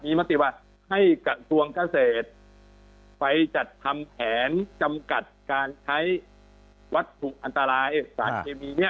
มีมติว่าให้กระทรวงเกษตรไปจัดทำแผนจำกัดการใช้วัตถุอันตรายสารเคมีเนี่ย